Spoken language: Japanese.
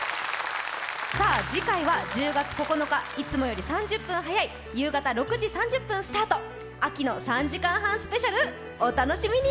さあ、次回は１０月９日、いつもより３０分早い夕方６時３０分スタート、秋の３時間半スペシャル、お楽しみに。